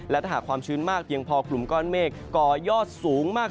และถ้าหากความชื้นมากเพียงพอกลุ่มก้อนเมฆก่อยอดสูงมาก